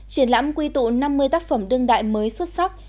triển lãm quy tụ năm mươi tác phẩm đương đại mới xuất sắc